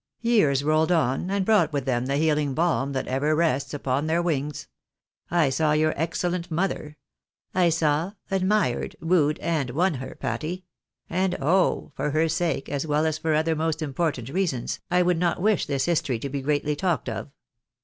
Years rolled on, and brought with them the healing balm that ever rests upon their wings. I saw your excellent mother. I saw, admired, wooed, and won her, Patty ; and O ! for her sake, as well as for other most important reasons, I would not wish this history to be greatly talked of.